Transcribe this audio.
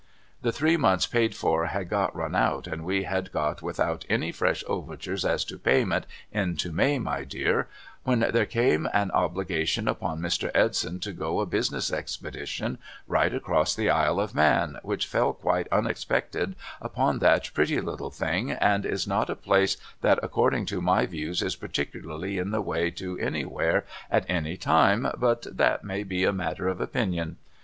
The three months paid for had run out and we had got without any fresh overtures as to payment into May my dear, when there came an obligation upon Mr. Edson to go a business expedition right across the Isle of Man, which fell quite unexpected upon that pretty little thing and is not a place that according to my views is l)arlicularly in the way to anywhere at any time but that may be a matter of opinion.